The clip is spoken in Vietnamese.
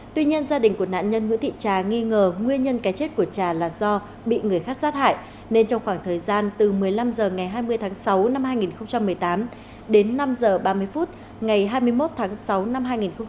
tuy nhiên gia đình của nạn nhân nguyễn thị trà nghi ngờ nguyên nhân cái chết của trà là do bị người khác sát hại nên trong khoảng thời gian từ một mươi năm h ngày hai mươi tháng sáu năm hai nghìn một mươi tám đến năm h ba mươi phút ngày hai mươi một tháng sáu năm hai nghìn một mươi tám